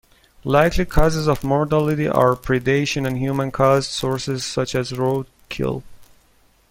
Likely causes of mortality are predation and human-caused sources such as road kill.